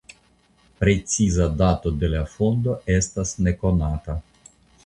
Preciza dato de la fondo estas nekonata.